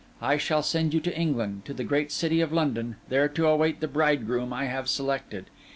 I shall send you to England, to the great city of London, there to await the bridegroom I have selected.